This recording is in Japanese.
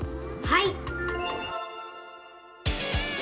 はい！